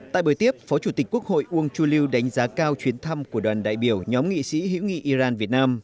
tại buổi tiếp phó chủ tịch quốc hội uông chu lưu đánh giá cao chuyến thăm của đoàn đại biểu nhóm nghị sĩ hữu nghị iran việt nam